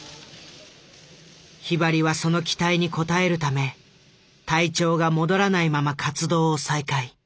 ひばりはその期待に応えるため体調が戻らないまま活動を再開。